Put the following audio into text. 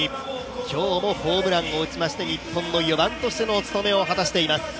今日もホームランを打ちまして日本の４番としての務めを果たしています。